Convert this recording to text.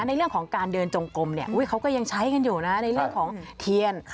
ในเรื่องของการเดินจงกลมเนี่ยเขาก็ยังใช้กันอยู่นะในเรื่องของเทียน